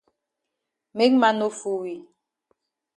Make man no fool we.